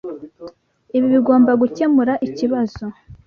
Ibi bigomba gukemura ikibazo.